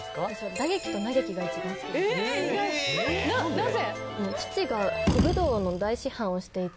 なぜ？